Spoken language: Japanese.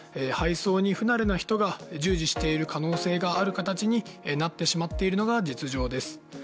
配送に不慣れな人が従事している可能性がある形になってしまっているのが実情です。